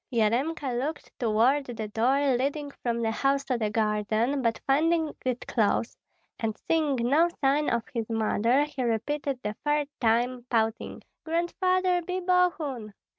Yaremka looked toward the door leading from the house to the garden, but finding it closed, and seeing no sign of his mother, he repeated the third time, pouting, "Grandfather, be Bogun!"